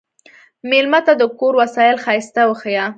مېلمه ته د کور وسایل ښايسته وښیه.